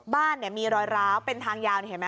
บ้านมีรอยร้าวเป็นทางยาวนี่เห็นไหม